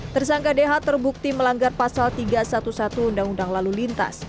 tersangka dh terbukti melanggar pasal tiga ratus sebelas undang undang lalu lintas